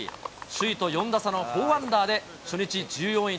首位と４打差の４アンダーで、初日１４位